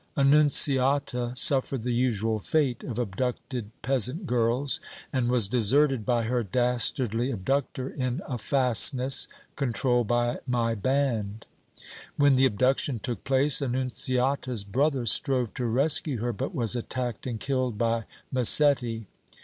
Annunziata suffered the usual fate of abducted peasant girls, and was deserted by her dastardly abductor in a fastness controlled by my band. When the abduction took place, Annunziata's brother strove to rescue her, but was attacked and killed by Massetti.